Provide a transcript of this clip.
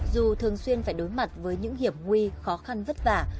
dù thường xuyên phải đối mặt với những hiểm nguy khó khăn vất vả